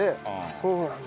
そうなんだ。